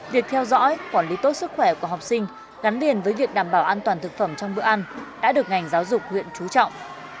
việc theo dõi quản lý tốt sức khỏe của học sinh gắn liền với việc đảm bảo an toàn thực phẩm trong bữa ăn đã được ngành giáo dục huyện trú trọng